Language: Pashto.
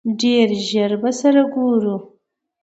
ډېر ژر به سره ګورو!